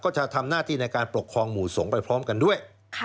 จะทำหน้าที่ในการปกครองหมู่สงฆ์ไปพร้อมกันด้วย